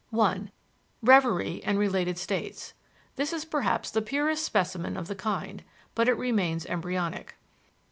(1) Revery and related states. This is perhaps the purest specimen of the kind, but it remains embryonic.